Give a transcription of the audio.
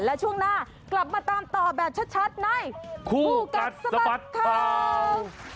แล้วช่วงหน้ากลับมาตามต่อแบบชัดในคู่กัดสะบัดข่าว